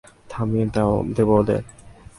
থামিয়ে দেবো ওদের।